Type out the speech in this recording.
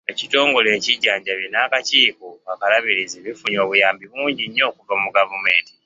Ekitongole ekijjanjabi n'akakiiko akalabirizi bifunye obuyambi bungi nnyo okuva mu gavumenti.